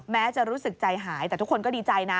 จะรู้สึกใจหายแต่ทุกคนก็ดีใจนะ